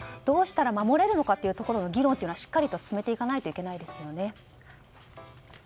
どうしたら守れるのかという議論をしっかりと進めていかないといけないですよね。